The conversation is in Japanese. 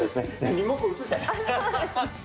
リモコン写っちゃいました。